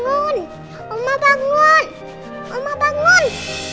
oma bangun oma bangun oma bangun